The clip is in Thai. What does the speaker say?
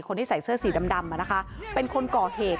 คนที่ใส่เสื้อสีดำเป็นคนก่อเหตุ